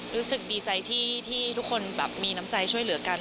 รู้สึกดีใจที่ทุกคนแบบมีน้ำใจช่วยเหลือกัน